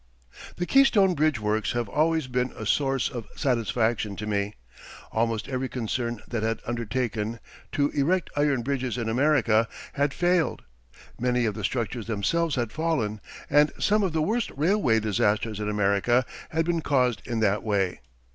The Keystone Bridge Works have always been a source of satisfaction to me. Almost every concern that had undertaken to erect iron bridges in America had failed. Many of the structures themselves had fallen and some of the worst railway disasters in America had been caused in that way.